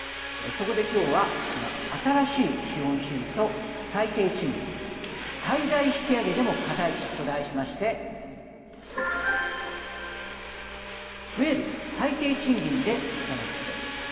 そこで今日は新しい資本主義と最低賃金最大引き上げでも課題と題しまして増える、最低賃金で働く人。